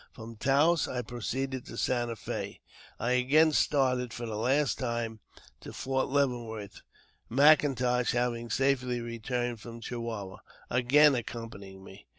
From Taos I proceeded to Santa Fe. I again started, for the last time, to Fort Leavenworth; M'Intosh, having safely returned from Chihuahua, again accompanying me.